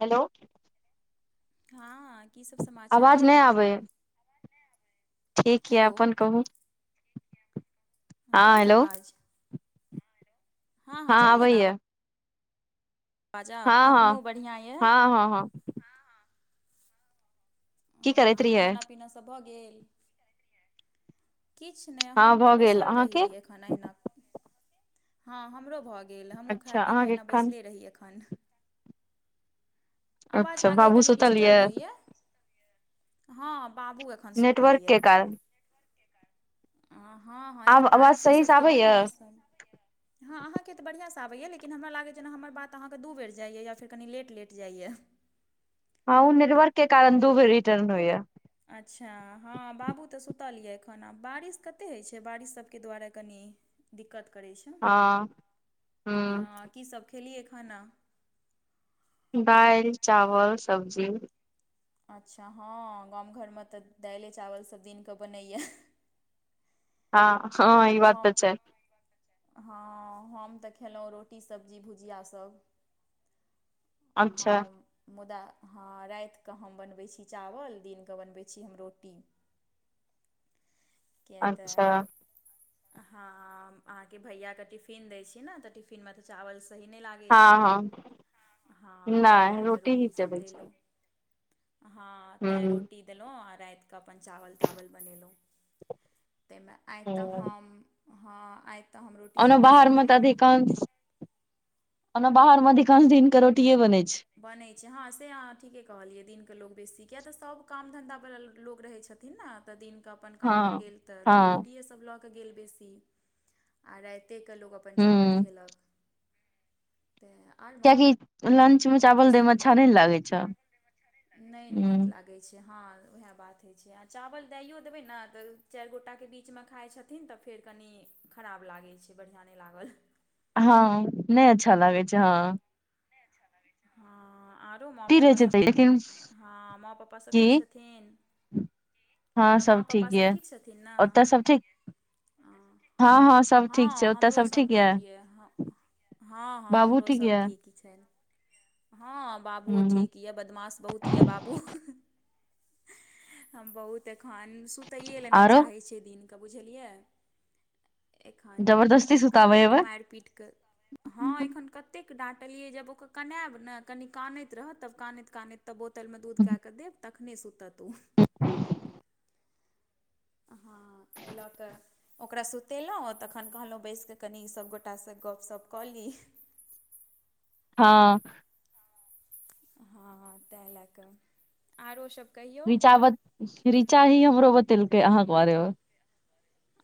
Hello हँ कीसब समाचार आवाज नहि यै। आबै य। ठीक या हेलो अपन कहू? हँ जाइयै हेलो आवाज? हँ हँ जाइयै न आवा बाजाब हँ हँ अपनो बढ़िआँ यऽ? हँ हँ- हँ की करैत आँ रहियै खाना पीना सब भऽ गेल? किछ नहि हँ हम तऽ भऽ गेल बैसल रही अहाँके ए खन अहिना हँ हमरो भऽ गेल हमहुँ खा अच्छा पीक कऽ अहाँके अहिना एखन बैसले रही एखन। आवाज अच्छा लागैए बाबू कनी सुतल डिस्टर्ब यऽ होइए, हँ बाबू एखन सुतल नेटवर्क के कारण अ हँ-हँ आब अखन आवाज बारिशो सही से सबके ने आबैय मौसम हँ अहाँके तऽ बढ़िआँस आबैया लेकिन हमरा लागैया छै, जे हमर बात अहाँके दू बेर जाइए या फेर कनि लेट लेट जाइए। हँ ओ नेटवर्क के कारण दू बेर रिटर्न होइ या। अच्छा हँ बाबू तऽ सुतल यए एखन आब, बारिश कतेक होइ छै, बारिश सबके दुआरे कनि दिक्कत करै छै, हँ हूँ हँ कीसब खेलियै खाना? दायल, चावल, सब्जी अच्छा हँ गाम घरमे तऽ दायले चावल सब दिनकऽ बनैया। हँ-हँ ई बात तऽ हम छै। हँ हम तऽ खेलहुँ रोटी, सब्जी, भुजियासब। अच्छा हां मुदा हँ रायतकऽ हम बनबै छी चावल दिनकऽ बनबै छी हम रोटी। किया तऽ अच्छा हहां अहाँके भैया के टिफिन दय छी ने, तऽ टिफिन मे तऽ चावल सही न‌इ लागै लगै हँ छै हँ ह तैं नहि लक‌अ ही रोटी सब चलै छै देलौ। हँ हूँ तैं रोटी देलहुँ आ राइतकऽ अपन चावल तावल बनेलहुँ। तै मे आइ तऽ हूँ हम हँ आइ तऽ हम रोटी ओना सब्जीसभ बाहरमे तऽ खेलहुँ अधिकांश, ओना बाहरमे अधिकांश दिन क रोटीए बनै छै। बनैय छै, हँ से अहाँ ठीके कहलियै दिनक लोक बेसी किया तऽ सब काम धन्धा वला लोक रहैत छथि थिन न तऽ दिनक अपन हँ कामपर गेल तऽ लोग हँ रोटीए सब लऽ कऽ गेल बेसी। आ राइते क लोग अपन चावल हूँ खेलक तै और की लंच में चावल देय में अच्छा न‌इ लागे छौ? हुं होइ छै, ह वाहा बात होइ छै आ चावल दैयौ देबै ने त चायर गोटा के बीच में खाइ छैथ छथिन तऽ फेर कनी खराब लागै छै, बढ़िआँ न‌इ लागल। हाँ न‌इ अच्छा लागै छै हँ। न‌इ अच्छा लागैय छै। हाँ माँ टी रहै पपा छै सब, तऽ लेकिन हँ माँ पपा सब की ठीक छथिन? कहलौ माँ पप्पा सब ठीक छथिन न? ओतऽ सब ठीक हँ सब हँ ठीक छै ओतऽ सब हमरोसब ठीक यऽ यए। हँ हँ बाबू हमरो सब यऽ ठीक छैन, हँ बाबुओ हूँ ठीक यए बदमाश बहुत तिया बाबु, हम बहुत अखन सुत सुतैय ला न‌इ आरो चाहै छै दिन क बुझलियै? एखन जबरदस्ती सुताबै कतेक एबै माइर पीटक, हँ एखन कतेक डाँट कहलियै जब ओ कनाब ने कनि कानैत रहत, तब कानैत -कानैत तब बोतलमे दूध कए कऽ देब त कनी सुतत ओ ह ऐ लक‌अ ओकरा सुतेलहुँ तखन कहलहुँ बैसि कऽ कनि सब गोटास गप्पशप्प कऽ ली। हाँ हँ तैं ल कऽ आरो सब कही? रीचा ब रीचा ही हमरो बतेलकै अहा के बारे मे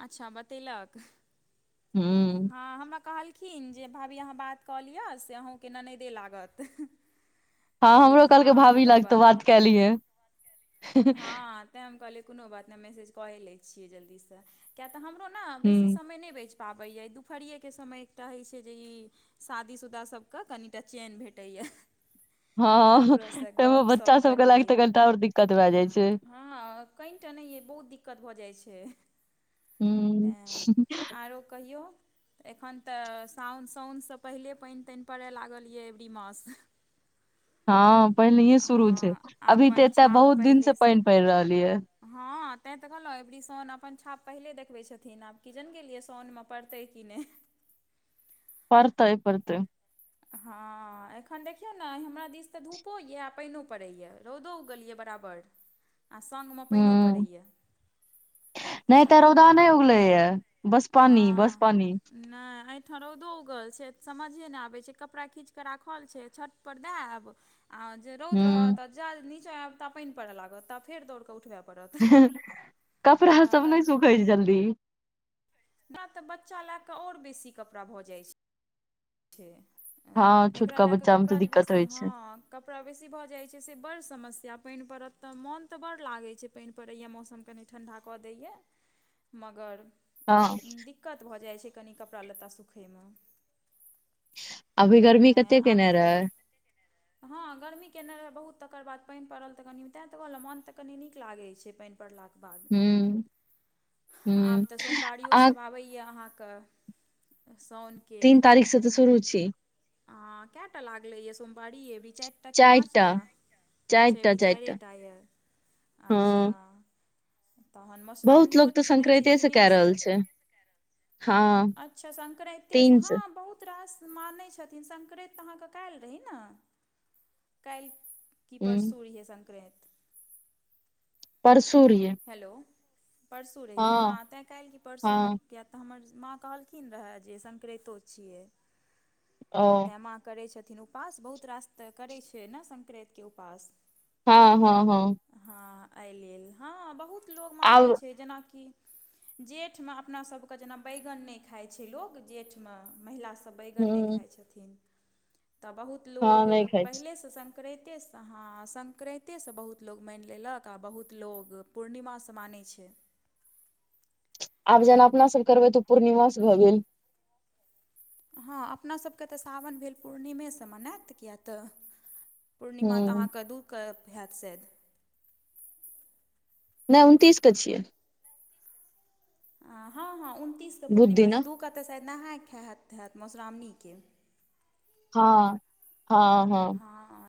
अच्छा बतेलक? हूं हँ हमरा कहलखिन जे भाभी अहाँ बात कऽ लिअ से अहूँके ननैदे लागत। [inaudible] हँ हमरो कहलकै हँ भाभी कोनो लगतौ नहि बात क लियै। हँ तैं हम कहलियै कोनो बात न‌इ मैसेज क‌ऐ लै छियै जल्दीस। किया तऽ हमरो न बेसी हूँ समय न‌इ बैच पाबैय, दुपहरियेके समय एकटा होइ छै जे ई शादी- शुदा सबके कनिटा चेन भेटैए। हँ ककरोसँ ताहिमे बच्चा गपशप सब के करय लायक तऽ लेल कनिटा और दिक्कत भए जाइ छै। हँ कनिटा न‌इ अइ बहुत दिक्कत भऽ जाइ छै। हूं उं आरो कहियौ? एखन त साउन साओन सँ पहिले पानि तानि परे लागल एबरी मास हँ पहिनैहे हँ शुरू छै, अभी त अपन एत छाप बहुत दिन से पहिलेसँ पानि पड़ि रहल ये हँ तें त कहलहुँ अबरी साउन अपन छाप पहिले देखबैत छथिन आब कि जाने गेलियै साउनमे पड़तै कि नै पड़तै- पड़तै। हँ एखन देखियौ ने आइ हमरा दिस त धूपो या आ पानिओ पड़ैएा रौदो उगल या बराबर आ सङ्गमे पाइनो परैया। नै एत रौदा नहि उगलै या बस पानी बस पानी। नै ऐठ रौदो उगल छै समझे नै आबै कपड़ा खिंचक राखल छै छत पर दै आएब आ जे रौद हूं रहत। जा नीचाँ आएब ता पाइन पर लागत तब फेर दौड़क उठबेब। हें कपड़ा सब नै हमरा सुखै छै जल्दी। हमरा त बच्चा लएक और बेसी कपड़ा भ जाइ छै। हँ एकरा छोटका लए क बच्चा मे तऽ कपड़ा जे दिक्कत बेसी होइ छै हँ। कपड़ा बेसी भ जाइ छै से बड समस्या पाइन परत त मोन त बड़ लागै छै। पाइन परैया मौसम कनि ठण्डा क दैया मगर। हँ दिक्कत भ जाइ छै कनि कपड़ा लत्ता सुखैमे। अभी गर्मी तैँ कते आब केने तऽ रहै। हँ गर्मी केने रहै बहुत तकर बाद पाइन पड़ल त कनि तैं त कहलौं मोन त कनी नीक लागै छै पानि। परलाक बाद। हूं हूं आब त सोमवारियो अहाँ सब आबैए अहाँक साउन। तीन तारिख सं त शुरु छैै। ह केए टा लगलैए य सोमवारी ऐ बी चारिटा कि पाँचटा अच्छा चारिटा एबी चारिटा चाइरे टा यै। अच्छा हँ तहन बहुत मधुश्रावणी लोक तऽ त सुनै छियै संक्रान्ते से तीने कए रहल सं। छै हँ अच्छा संक्राते स तीन से हँ बहुत बहुत रास मानय छथिन संक्रांत त अहाँक काइल रहि न काइल। कि ह परसू रहय संक्रांत। परसू रीहे। हेलो परसू रहै हँ तें काइल की परसू म। हँ किए त हमर माँ कहलखिन रहए जे संक्राइतो छियै। ओ माँ करै छथिन उपास बहुत रास त करै छै न संक्राइतके उपास। हँ हँ हँ। हँ एइ लेल हँ बहुत लोग मानै आब छै जेनाकि जेठमे अपना सभके जेना बैगन नै खाइ छै लोक जेठमे महिला बैगन नै ह खाइ छथिन त बहुत हँ लोग नहि खाइ छी पहिले स सँ। संक्राइते स हँ संक्राइते स बहुत लोग मानि लेलक आ बहुत लोग पूर्णिमा स मानै छै। आब जेना अपना सब करबै त पूर्णिमा स भ गेल। हँ अपना सबके त सावन भेल पूर्णिमेस मनाएत किए त पूर्णिमा त ह अहाँके दू क हैत सैद। नै उनतीस क छियै। ह हँ हँ उनतीसक बुध पूर्णिमा छै दिना दू क त शायद नहाय खाय हैत हैत मधुश्रावणीके। हँ हँ हँ ह। हँ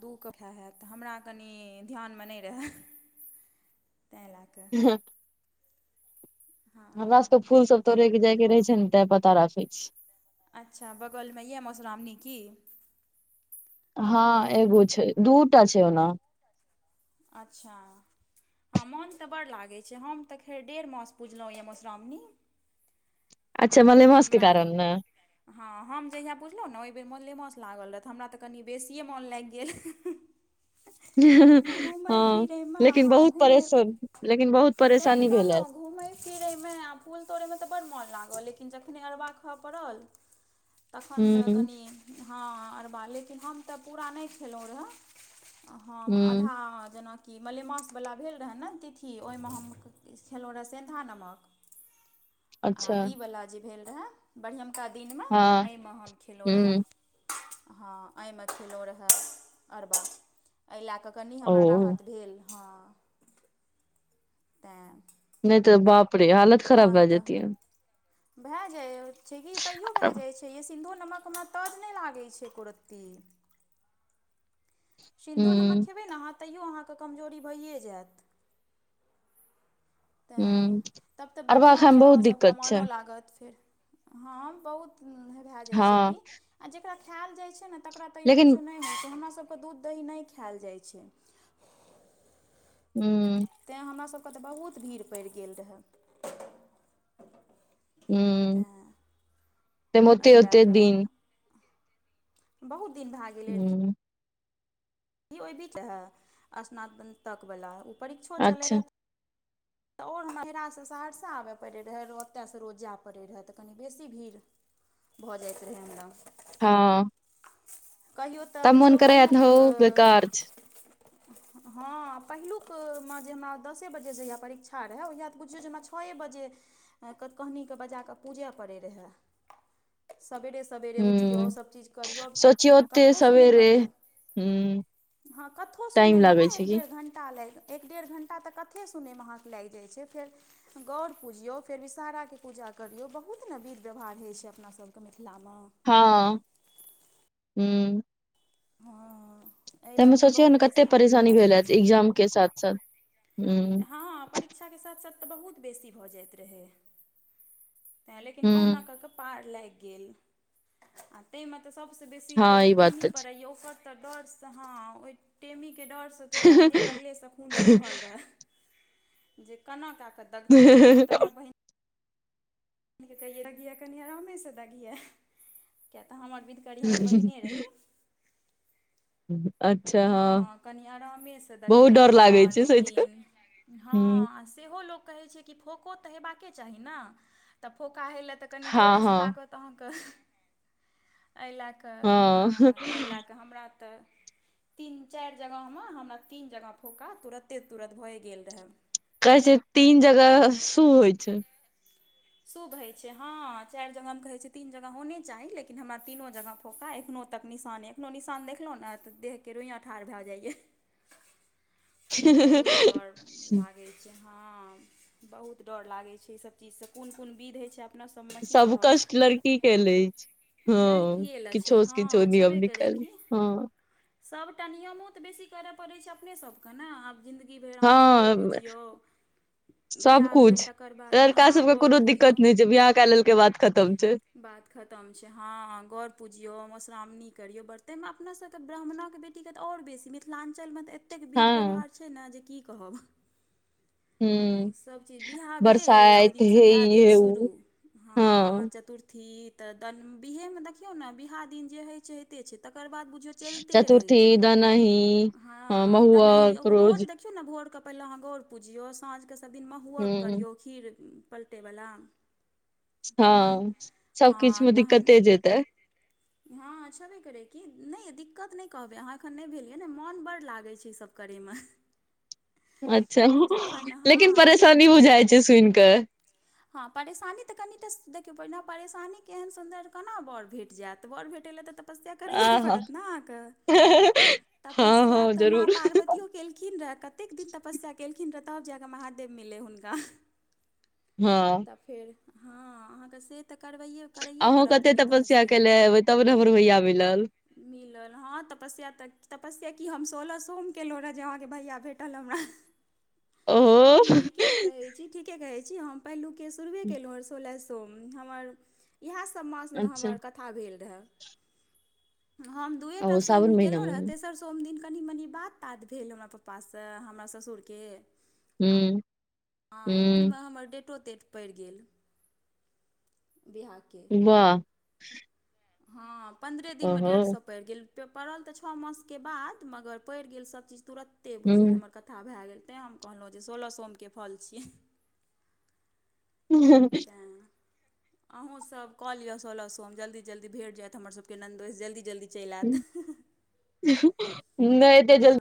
दू क हे हैत हमरा कनी ध्यानमे नै रहए। तै ल क ह [inaudible] हमरा हँ सबके फूल सब तोरै के जाइके रहै छै न तें पता राखै छि। अच्छा बगलमे यऽ मधुश्रावणी की? हँ एगो छै दूटा छै ओनाॅं। अच्छा। हँ मोन तऽ बड लागैत छै हम तऽ खैर डेढ़ मांस पुजलहुँ यए मधुश्रावणी। अच्छा तऽ मलेमांसके हमरा कारण ने। हँ हम जहिया पुजलहुँ ने ओहि बेर मोलेमास लागल रऽह त हमरा तऽ कनि बेसिए मोन लागि गेल। घूमय हँ फिरय मे लेकिन हँ बहुत घूमय परेशान लेकिन बहुत तेंत परेशानी भेल ह कहलहुॅं घूमय फिरयमे आ फूल तोड़यमे तऽ बड् मोन लागल लेकिन जखन अरवा खा पड़लऽ। तखन तऽ हुँ कनी हँ अरबा लेकिन हम तऽ पूरा नहि खेलहुॅँ रहऽ हँ हुँ आधा आ जेना कि मलेमासवला भेल रहए ने तिथि ओहिमे हम खेलहुँ रहए सेन्धा नमक। आ अच्छा ईवला जे भेल रहए बढ़ियमका दिनमे हँ एहिमे हम खेलहुँ रहए हुँ हाॅं एहिमे खेलहुँ रहऽ अरबा एहि लऽ कऽ कनि हमरा ओ राहत भेल हँ। तऽ नहि तऽ बाप रे हालत खराब तहन भए जेतीयै। भए जाइ छै कि तैयो भए जाइ छै। सिन्धो नमकमे तऽज नहि लागैत छै एको रत्ती सिन्धो नमक हुँ खेबै नऽ आहाॅं तैइयो अहाँक कमजोरी भऽए जाऽयत। तेॅं हुँ तब ते अरबा बढ़ियाॅं ये खायमे बहुत आहाॅं सबकऽ दिक्कत छै मऽनो लाग गत फेर। हाॅं बहुत उन्नह भऽ जायत छै हँ की आ जेकरा खायल जाय ने तकरा तैयो लेकिन किछु नय होयत छै। हमरा सब क दुध दही नै खायल जाईत छै। हू। तैँ हमरासभके तऽ बहुत भीड़ पड़ि गेल रहए। हुं तेँ ताहि मे एहि लए ओते-ओते कऽ दिन। बहुत दिन भए गेलय‌ रहऽ। हुँ ई ओहि बीच रहै स्नातक वला ओ परीक्षो चलै अच्छा रहऽ तऽ आओर हमरा नहिरासँ सहरसा आबय पड़ैत रहए ओतयसँ रोज जाय पड़ैत रहए तऽ कनि बेसी भीड़ भऽ जाइत रहै हमरा। हँ। कहियौ तऽ तब बुझियौ मोन करै हैत पहिलुक हौ बेकार छै हँ पहिलुकमऽ जे हमरा दसे बजेसँ परीक्षा ठा रहै ओहिया तऽ बुझियौ जे हमरा छऐ बजे कखकहनी कऽ बजा कऽ पुजऽ पड़ैय रहैय सबेरे स सबेरे उठियौ हुँ सबचीज करियौ सोचियौ ओते कऽथो सुनैमे सवेरे तऽ हुँ हँ कथो टाइम सुनयमे लागै ने छै एक कि डेढ़ घण्टा लागि एक डेढ़ घण्टा तऽ कथे सुन म लागि जाइ छै फेर गौर पूजियौ फेर विषहराके पूजा करियौ बहुत नेॅं विध व्यवहार होइत छै अपनासभके मिथिलामे। हाॅं हुं। हँ एहि लऽ कऽ बहुत बेसी भीड़ भए जाइत छै। एक्जाम के साथ-साथ। हँ परीक्षाके साथ-साथ तऽ बहुत बेसी भऽ जाइत रहै। तैँ लेकिन हुँ कहुना कऽ कऽ पार लागि गेल आ ताहिमे आ सबसऽ बेसी जे हँ ओ ई बात टेमी तऽ छै। पऽरय ओकर तऽ डोड़सऽ हाॅं, ओय टेमी केर डोड़सऽ सँ तऽ चारि दिन पहिलेसँ खून सुूखल रऽहै। जे केना कए कऽ दगथिन हम तऽ अपना दगिहा कनि आरामे से दगिहा किया तऽ हमर विध। करी हमर बहिने रही कर। अच्छा। हँ हाॅं कनि आरामेसँ बहुत दगिहा डर लागै हाॅंं छै सोचि कऽ लेकिन। हुँ। हाॅं आ सेहो लोक कहैत छैं। त फोको तऽ हेबाके चाही ने तऽ फोका होय लए तऽ कनि हँ जोरे सऽ हँ दागह की। ताँ एहि लऽ कऽ हँ एहि लऽ कऽ हमरा तऽ। तीन चारि जगहमे हमरा तीन जगह फोका तुरते तुरत भए गेल रहय। कहै छै तीन जगह शुभ होइय छैं। शुभ होइत छै हाॅं चारि जगहमे कहैत छै तीन जगह होने चाही लेकिन हमरा तीनों जगह। फोका एखनो तक निशान एखनो निशान देखलहुँ ने तऽ देहके रोइयाँ ठाढ़ भए जाइया। [unintelligible] बहुत डर। लागै छै हाॅं बहुत डर लागै छै इ सभ चीजसँ कोन कोन विध होइ छैं। अपना सबमे में की सब कहब। कष्ट लड़की के अछि [unintelligible] हँ लड़किये लए छैं किछो से किछो हाॅं छेबे नियम करै निकालि की। हँ सभटा नियमो तऽ बेसी करय पड़ैत छैं अपनेसभकें ने आब ज़िन्दगी। इ भेल अहाॅं गौर हँ पुजीयौं सब बियाह भेल कुछ तकर बाद लड़का हाॅं। सबके कोनो दिक्कत नहि छै बियाह काय लेलकैय के बात खत्म छैं। बात खत्म छैं हाॅं गौर पुजियो मधुश्रावणी करियो बर्ते मे अपना सबके ब्राह्मणक बेटी। तीके तऽ आओर बेसी मिथिलाञ्चलमे तऽ एतेक विध हँ व्यवहार छै ने जे की कहब। [unintelligible] हॅं हुँ सभचीज विवाह भेल ओहि बरसाइत दिन सऽ। हे भए ई गेल हे शुरू उ हँ हाॅं चतुर्थ। थी तऽ बिहेमे देखियौ ने बियहा दिन जे होइत छै होइते छै तकर बाद बुझयों। चलते रहैय चतुर्थी छैय दनही हँ हाॅं महुआ दनहहियो रोज देख क्रोज छी। देखियौ ने भोरके पहिने अहाँ गौर पुजियौ साँझके सबदिन महुहक ह करियौ खीर। [unintelligible] पलटैवाला। तहन हँ सब किछ हाॅं मे तहन। दिक्कते जेतै [unintelligible] हाॅं छेबे करै कि नहि दिक्कत नहि कहबै अहाँ एखन नहि भेल यै ने मोन बड लागै छैं इ सभ करयमें। [inaudible] अच्छा लेकिन परेशानी बुझाइ छै सुनि कऽ। [unintelligible] हाॅं परेशानी तऽ कनिटा देखियौ प परेशानी केहन सुन्दर केना बड़ भेट जायत बड़ भेटै लए तऽ। तपस्या करैये आहा परत नें अहाॅं के हँ तपस्या हँ तऽ माॅं जरूर पार्वतीयों। केलखिन रहऽ कतेक दिन तपस्या केलखिन रहऽ तब जाकऽ महादेव मिले हुनका। हाॅं। तऽ फेर हाॅं अहाँके से तऽ करबैये। अहू कते तपस्या केने हेबैय तब ने हमर भैया मिलल। मिलल हाॅं तपस्या तऽ तपस्या की हम सोलह सोम केलहुँ रहय जे अहाँके भैया भेटल हमरा। [inaudible] हम ओहो ठीके कहैय छी ठीके कहैय छी हम पहिलुके शुरूए केलहुँ सोलस। सोम हमर यहा सब मास में अच्छा हमर कथा भेल रहा। हम दुएटा ओ सोम सावन महिना केलहुँ मे रहय तेसर। तोम दिन कनि मनि बात तात भेल, हमरा पापासँ, हमरा ससुर के,। हू। हाॅं, ओमे हमर डेटो तेट पड़ि गेल। बिहा के। वाह। हाॅं, पन्द्रे दिन मे ओहो डेट सब पड़ि गेलँ, पड़ल तऽ छह मासके बाद, मगर पड़ि गेल सबचीज तुरते, बुझियौ जे हूं हमर कते कथा भए गेल, ताॅं हम कहलहुँ, जे सोलह सोमके फोल छीयैं। [unintelligible] ता। अहूँसोभ कलियो सोलह सोम, जल्दी- जल्दी भेट जायत, हमर सब के नन्दोईस, जल्दी जल्दी चैल आत। नहि, एते जल्दी